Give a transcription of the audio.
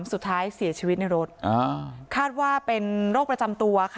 สุดท้ายเสียชีวิตในรถคาดว่าเป็นโรคประจำตัวค่ะ